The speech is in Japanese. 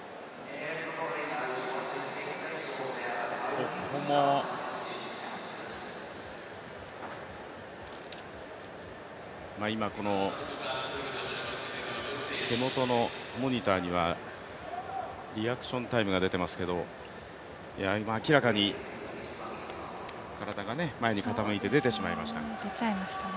ここも今、この手元のモニターにはリアクションタイムが出てますけど今明らかに体がね、前に傾いて出てしまいましたね。